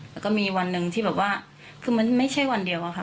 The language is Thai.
แล้วก็มีวันหนึ่งที่แบบว่าคือมันไม่ใช่วันเดียวอะค่ะ